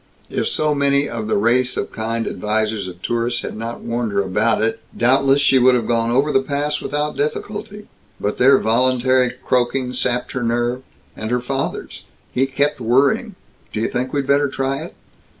If so many of the race of kind advisers of tourists had not warned her about it, doubtless she would have gone over the pass without difficulty. But their voluntary croaking sapped her nerve, and her father's. He kept worrying, "Do you think we better try it?"